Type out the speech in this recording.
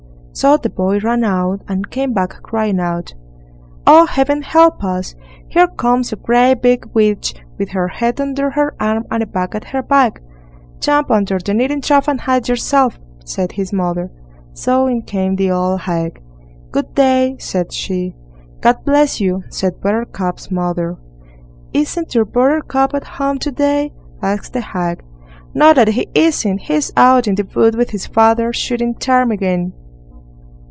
So the boy ran out, and came back crying out: "Oh, Heaven help us! here comes a great big witch, with her head under her arm, and a bag at her back." "Jump under the kneading trough and hide yourself", said his mother. So in came the old hag! "Good day", said she! "God bless you!" said Buttercup's mother. "Isn't your Buttercup at home to day?" asked the hag. "No, that he isn't. He's out in the wood with his father, shooting ptarmigan."